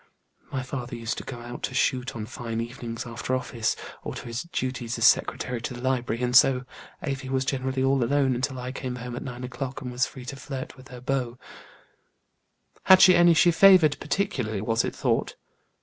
My father used to go out to shoot on fine evenings after office, or to his duties as secretary to the library, and so Afy was generally all alone until I came home at nine o'clock; and was free to flirt with her beaux." "Had she any she favored particularly, was it thought?"